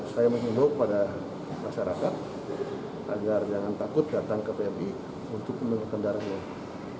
saya mengimbau pada masyarakat agar jangan takut datang ke pmi untuk mendonorkan darahnya